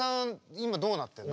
今どうなってるの？